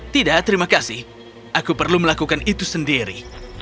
tidak terima kasih aku perlu melakukan itu sendiri